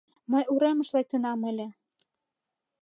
Мый уремыш лектынам ыле.